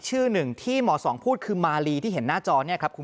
ชื่อหนึ่งที่หมอสองพูดคือมาลีที่เห็นหน้าจอเนี่ยครับคุณ